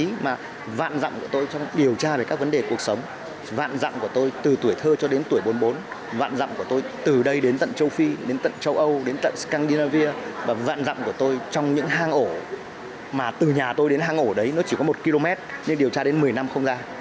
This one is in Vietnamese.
hành trình vạn dặm của tôi là vạn dặm của tôi trong điều tra về các vấn đề cuộc sống vạn dặm của tôi từ tuổi thơ cho đến tuổi bốn mươi bốn vạn dặm của tôi từ đây đến tận châu phi đến tận châu âu đến tận scandinavia và vạn dặm của tôi trong những hang ổ mà từ nhà tôi đến hang ổ đấy nó chỉ có một km nhưng điều tra đến một mươi năm không ra